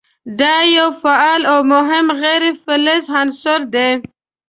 دا یو فعال او مهم غیر فلز عنصر دی.